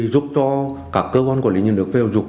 giúp cho các cơ quan quản lý nhân lực